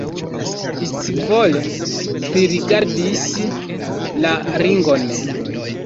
Li scivole pririgardis la ringon.